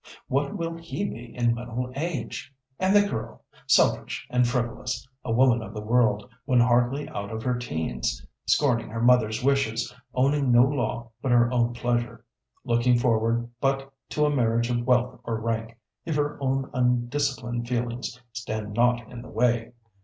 What will he be in middle age? And the girl, selfish and frivolous, a woman of the world, when hardly out of her teens, scorning her mother's wishes, owning no law but her own pleasure, looking forward but to a marriage of wealth or rank, if her own undisciplined feelings stand not in the way!